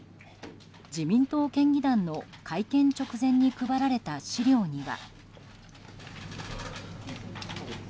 自民党県議団の会見直前に配られた資料には。